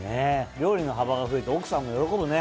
料理の幅が増えて奥さんも喜ぶね。